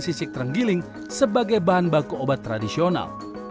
sisik terenggiling sebagai bahan baku obat tradisional